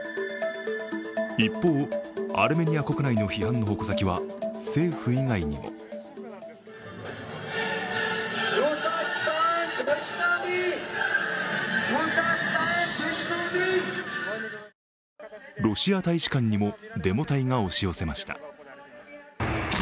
一方、アルメニア国内の批判の矛先は政府以外にもロシア大使館にもデモ隊が押し寄せました。